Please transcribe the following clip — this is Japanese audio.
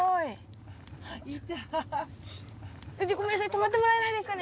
止まってもらえないですかね？